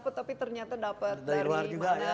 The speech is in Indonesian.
tapi ternyata dapat dari mana